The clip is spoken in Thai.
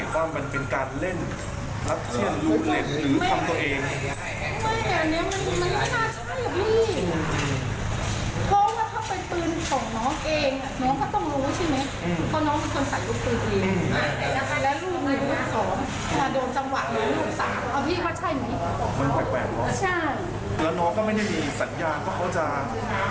สัญญาก็เขาจะเครียดคืออาจจะทำตัวเองอะไรอย่างนั้นก็ไม่มี